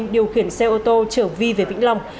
điều khiển xe ô tô trở vi về vĩnh long